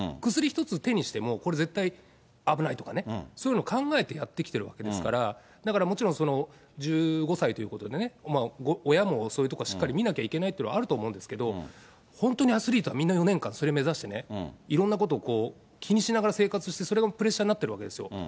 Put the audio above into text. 薬１つ手にしても、これ絶対、危ないとかね、そういうの考えてやってきてるわけですから、だからもちろん、１５歳ということでね、親もそういうところはしっかり見なきゃいけないというのはあると思うんですけれども、本当にアスリートはみんな４年間、それを目指してね、いろんなこと気にしながら生活して、それがプレッシャーになってるわけですよ。